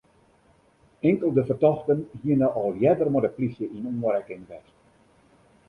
Inkelde fertochten hiene al earder mei de plysje yn oanrekking west.